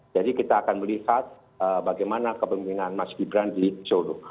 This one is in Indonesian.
jadi kita akan melihat bagaimana kepemimpinan mas gibran di solo